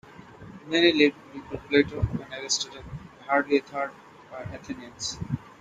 Many lived before Plato and Aristotle, and hardly a third were Athenians.